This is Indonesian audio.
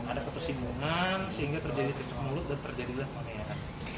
ada ketesimbungan sehingga terjadi cecek mulut dan terjadi lakalan